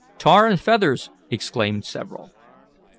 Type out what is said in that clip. Tar and feathers!" exclaimed several.